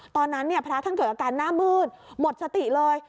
ตอนนั้นพระท่านเกิดอาการหน้ามืดหมดสติเลย